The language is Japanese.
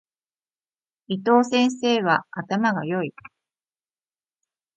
伊藤先生は頭が良い。